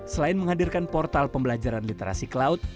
selain menghadirkan portal pembelajaran literasi cloud